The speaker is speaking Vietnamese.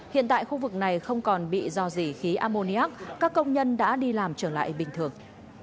hiện tại khu vực này không còn bị dò dỉ khí ammoniac các công nhân đã đi làm trở lại bình thường